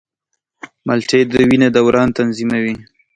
مالټې د وینې دوران منظموي.